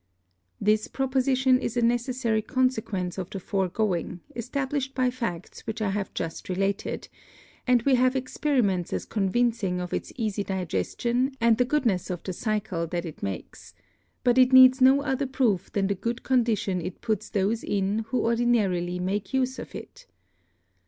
This Proposition is a necessary Consequence of the foregoing, established by Facts which I have just related; and we have Experiments as convincing of its easy Digestion, and the Goodness of the Chyle that it makes; but it needs no other Proof than the good Condition it puts those in, who ordinarily make use of it.